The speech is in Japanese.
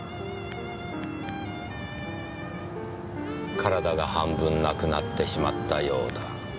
「体が半分なくなってしまったようだ」